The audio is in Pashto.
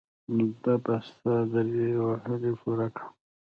زه به ستا درې هیلې پوره کړم.